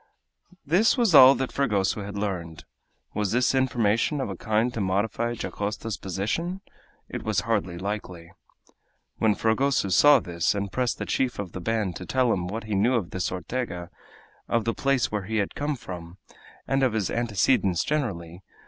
This was all that Fragoso had learned. Was this information of a kind to modify Dacosta's position? It was hardly likely. Fragoso saw this, and pressed the chief of the band to tell him what he knew of this Ortega, of the place where he came from, and of his antecedents generally.